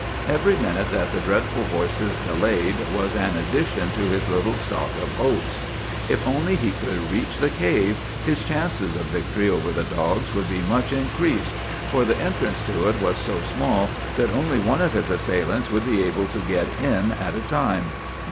Every minute that the dreadful voices delayed was an addition to his little stock of hopes. If only he could reach the cave, his chances of victory over the dogs would be much increased; for the entrance to it was so small that only one of his assailants would be able to get in at a time.